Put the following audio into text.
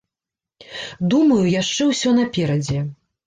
Думаю яшчэ ўсё наперадзе.